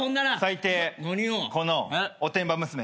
最低このおてんば娘。